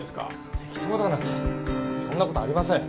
適当だなんてそんな事ありません。